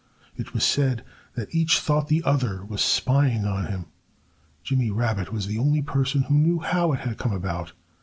It was said that each thought the other was spying on him. Jimmy Rabbit was the only person who knew how it had come about.